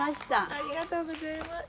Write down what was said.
ありがとうございます。